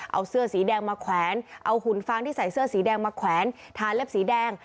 เอาเสื้อสีแดงมาแขวนเอาหุ่นฟางที่ใส่เสื้อสีแดงมาแขวนทาเล็บสีแดง